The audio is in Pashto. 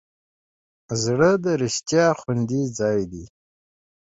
زړه د رښتیا خوندي ځای دی.